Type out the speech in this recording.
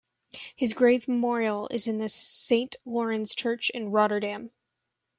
His grave memorial is in the Saint Laurens Church in Rotterdam.